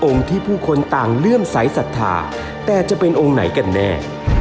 ที่ผู้คนต่างเลื่อมใสสัทธาแต่จะเป็นองค์ไหนกันแน่